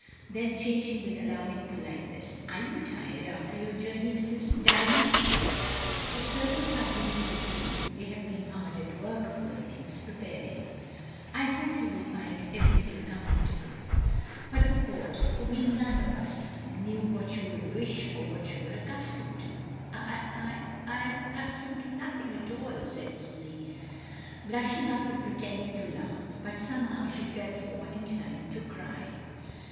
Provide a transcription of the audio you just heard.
Then, changing with alarming politeness, "Are you tired after your journey, Mrs, Dymond? The servants are bringing the tea; they have been hard at work, poor things, preparing. I hope you will find everything comfortable, but of 220 MRS. DYMOND. course we none of us knew what you would wish or what you were accustomed to." "I — I am accustomed to nothing at all," said Susy, blushing up and pretending to laugh, but somehow she felt more inclined to ]cry.